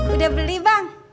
udah beli bang